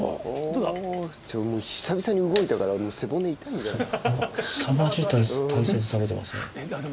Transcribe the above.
久々に動いたから背骨痛いんじゃない？